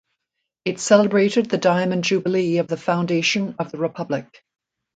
It celebrated the diamond jubilee of the foundation of the republic.